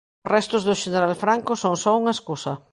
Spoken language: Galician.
Os restos do xeneral Franco son só unha escusa.